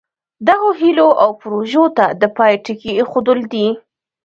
دغو هیلو او پروژو ته د پای ټکی ایښودل دي.